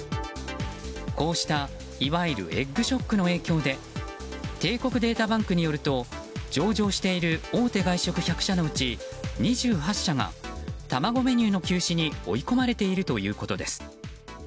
こうしたいわゆるエッグショックの影響で帝国データバンクによると上場している大手外食１００社のうち２８社が卵メニューの休止に追い込まれているということです。